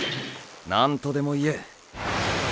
何とでも言え。